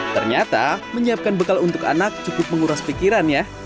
ternyata menyiapkan bekal untuk anak cukup menguras pikiran ya